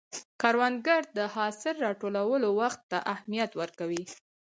کروندګر د حاصل راټولولو وخت ته اهمیت ورکوي